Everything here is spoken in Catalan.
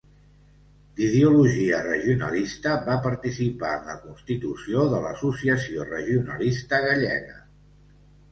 D'ideologia regionalista va participar en la constitució de l'Associació Regionalista Gallega.